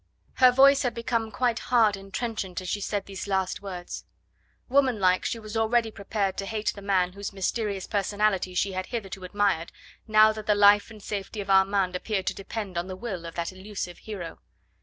Her voice had become quite hard and trenchant as she said these last words; womanlike, she was already prepared to hate the man whose mysterious personality she had hitherto admired, now that the life and safety of Armand appeared to depend on the will of that elusive hero.